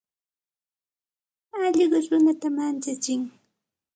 Alluqu runata manchatsin.